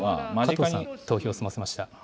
加藤さん、投票を済ませました。